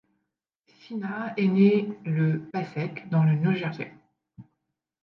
Fina est né le Passaic dans le New Jersey.